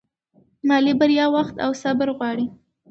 مالي بریا وخت او صبر غواړي.